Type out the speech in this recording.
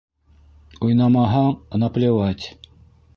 — Уйнамаһаң, наплевать.